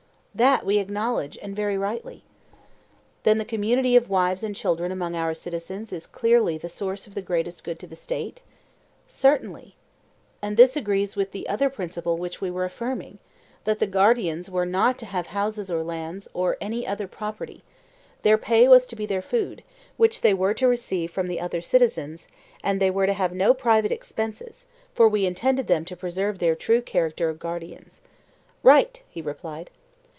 That we acknowledged, and very rightly. Then the community of wives and children among our citizens is clearly the source of the greatest good to the State? Certainly. And this agrees with the other principle which we were affirming,—that the guardians were not to have houses or lands or any other property; their pay was to be their food, which they were to receive from the other citizens, and they were to have no private expenses; for we intended them to preserve their true character of guardians. Right, he replied.